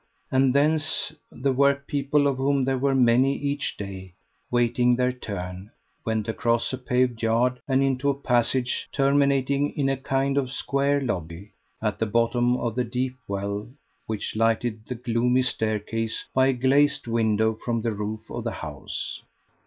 And thence the workpeople, of whom there were many each day waiting their turn, went across a paved yard and into a passage terminating in a kind of square lobby, at the bottom of the deep well which lighted the gloomy staircase by a glazed window from the roof of the house.